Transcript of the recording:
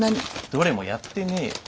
どれもやってねえよ。